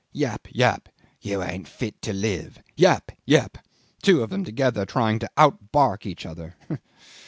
Yap! yap! 'You ain't fit to live!' Yap! yap! Two of them together trying to out bark each other.